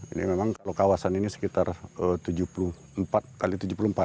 ini memang kalau kawasan ini sekitar tujuh puluh empat x tujuh puluh empat jam